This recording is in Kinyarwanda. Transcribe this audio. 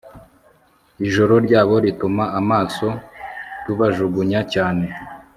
Ijoro ryabo rituma amaso tubajugunya cyane